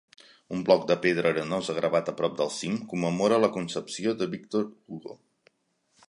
Un bloc de pedra arenosa gravat a prop del cim commemora la concepció de Victor Hugo.